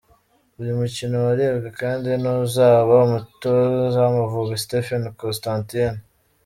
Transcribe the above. Uyu mukino warebwe kandi n’uzaba umutoza w’Amavubi, Stephen Constantine.